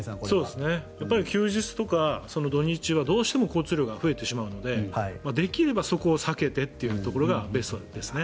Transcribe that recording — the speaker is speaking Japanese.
やっぱり休日とか土日はどうしても交通量が増えるのでできればそこを避けてというのがベストですね。